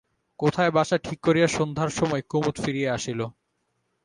কোথায় বাসা ঠিক করিয়া সন্ধ্যার সময় কুমুদ ফিরিয়া আসিল।